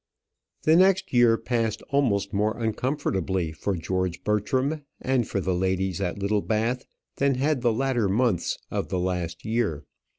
The next year passed almost more uncomfortably for George Bertram and for the ladies at Littlebath than had the latter months of the last year.